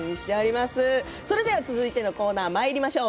続いてのコーナーにまいりましょう。